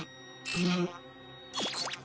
うん？